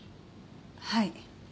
はい。